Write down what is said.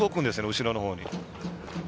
後ろのほうに。